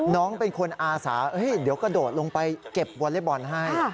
น้องเป็นคนอาสาเดี๋ยวกระโดดลงไปเก็บวอเล็กบอลให้